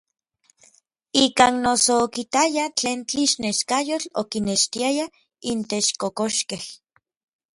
Ikan noso okitaya tlen tlixneskayotl okinextiaya intech kokoxkej.